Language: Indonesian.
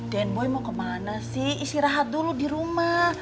den boy mau kemana sih istirahat dulu di rumah